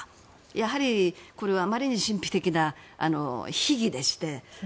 やはりこれはあまりに神秘的な秘儀でして。